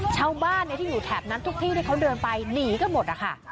ชาวบ้านที่อยู่แถบนั้นทุกที่ที่เขาเดินไปหนีกันหมดนะคะ